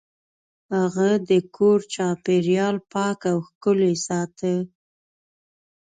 هغه د کور چاپیریال پاک او ښکلی ساته.